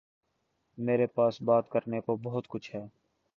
میرے پاس بات کرنے کو بہت کچھ ہے